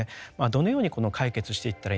どのように解決していったらいいのか。